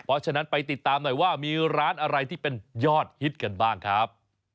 เพราะฉะนั้นไปติดตามหน่อยว่ามีร้านอะไรที่เป็นยอดฮิตกันบ้างครับ